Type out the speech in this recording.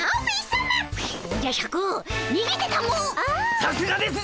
さすがですぜ！